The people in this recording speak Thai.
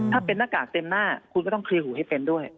ถ้าเป็นหน้ากากเต็มหน้าคุณก็ต้องเคลียร์หูให้เป็นด้วย